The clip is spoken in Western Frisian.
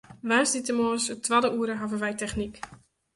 Woansdeitemoarns it twadde oere hawwe wy technyk.